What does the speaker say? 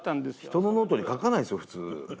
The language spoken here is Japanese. ひとのノートに書かないですよ普通。